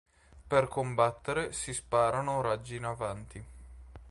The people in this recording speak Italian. Per combattere si sparano raggi in avanti.